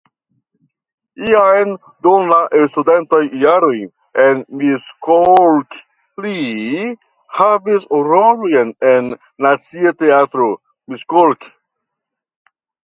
Jam dum la studentaj jaroj en Miskolc li havis rolojn en Nacia Teatro (Miskolc).